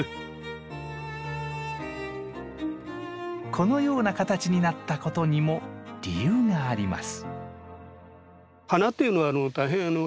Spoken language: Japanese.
このような形になったことにも理由があります。